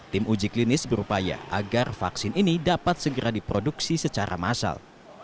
tim uji klinis berupaya agar vaksin ini dapat segera diproduksi secara massal